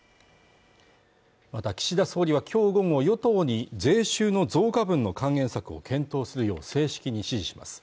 また岸田総理は今日午後与党に税収の増加分の還元策を検討するよう正式に指示します